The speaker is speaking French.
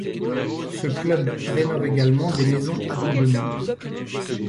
Ce club rénove également des maisons abandonnées.